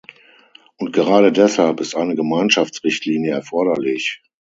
Und gerade deshalb ist eine Gemeinschaftsrichtlinie erforderlich.